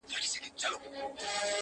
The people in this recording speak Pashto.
زه چي زلمی ومه کلونه مخکي !